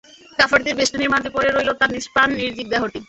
কাফেরদের বেষ্টনীর মাঝে পড়ে রইল তাঁর নিষ্প্রাণ নির্জীব দেহটি।